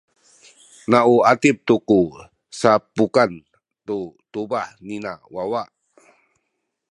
na u atip tu ku sapukan tu tubah nina wawa.